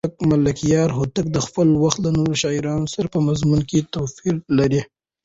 ملکیار هوتک د خپل وخت له نورو شاعرانو سره په مضمون کې توپیر لري.